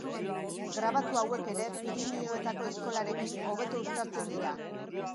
Grabatu hauek ere Pirinioetako eskolarekin hobeto uztartzen dira.